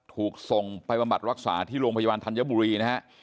ถูกส่งไปบำบัดรักษาที่โรงพยาบาลธัญบุรีนะฮะ